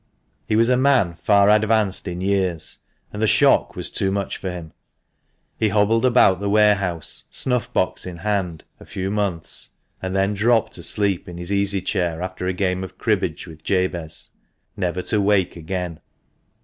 He was a man far advanced in years, and the shock was too much for him. He hobbled about the warehouse, snuff box in hand, a few months, and then dropped asleep in his easy chair after a game of cribbage with Jabez — never to wake again.